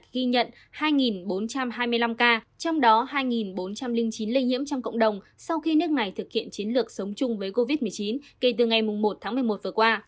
tổng số ca mắc bệnh viêm đường hấp cấp covid một mươi chín trên toàn cầu là hai bốn trăm hai mươi năm ca trong đó có hai bốn trăm linh chín lây nhiễm trong cộng đồng sau khi nước này thực hiện chiến lược sống chung với covid một mươi chín kể từ ngày một tháng một mươi một vừa qua